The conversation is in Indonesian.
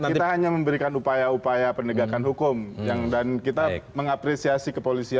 kita hanya memberikan upaya upaya penegakan hukum dan kita mengapresiasi kepolisian